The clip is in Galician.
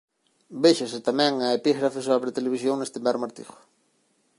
Véxase tamén a epígrafe sobre televisión neste mesmo artigo.